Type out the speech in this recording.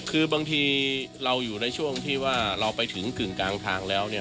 คือบางทีเราอยู่ในช่วงที่ว่าเราไปถึงกึ่งกลางทางแล้วเนี่ย